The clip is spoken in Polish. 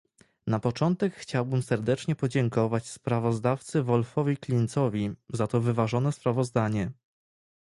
Na początek chciałbym serdecznie podziękować sprawozdawcy Wolfowi Klinzowi za to wyważone sprawozdanie